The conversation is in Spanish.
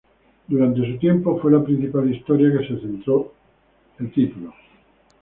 Durante su tiempo, fue la principal historia que se centró el título.